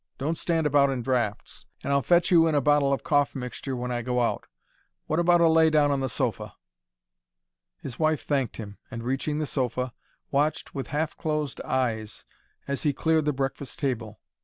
"Don't stand about in draughts; and I'll fetch you in a bottle of cough mixture when I go out. What about a lay down on the sofa?" His wife thanked him, and, reaching the sofa, watched with half closed eyes as he cleared the breakfast table.